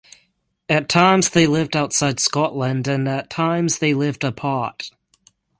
At times they lived outside Scotland and at times they lived apart.